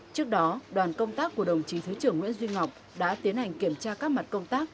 trước đó đoàn công tác của đồng chí thứ trưởng nguyễn duy ngọc đã tiến hành kiểm tra các mặt công tác